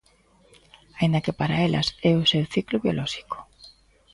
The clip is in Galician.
Aínda que para elas é o seu ciclo biolóxico.